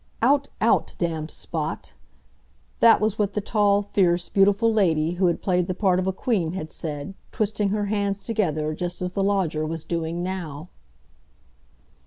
"Out, out, damned spot!" that was what the tall, fierce, beautiful lady who had played the part of a queen had said, twisting her hands together just as the lodger was doing now.